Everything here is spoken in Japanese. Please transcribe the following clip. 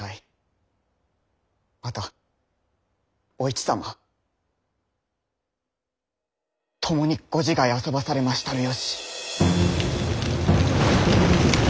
またお市様共にご自害あそばされましたる由。